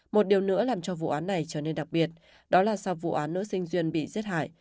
một điều nữa làm cho vụ án này trở nên đặc biệt đó là sau vụ án nữ sinh duyên bị giết hại